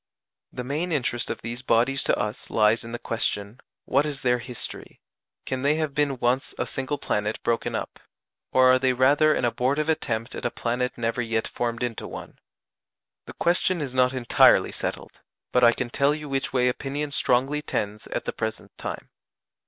The main interest of these bodies to us lies in the question, What is their history? Can they have been once a single planet broken up? or are they rather an abortive attempt at a planet never yet formed into one? The question is not entirely settled, but I can tell you which way opinion strongly tends at the present time.